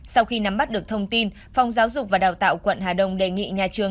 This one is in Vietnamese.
sau khi nắm bắt được thông tin phòng giáo dục và đào tạo quận hà đông đề nghị nhà trường